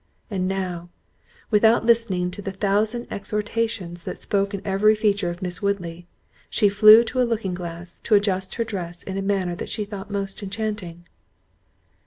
And now, without listening to the thousand exhortations that spoke in every feature of Miss Woodley, she flew to a looking glass, to adjust her dress in a manner that she thought most enchanting.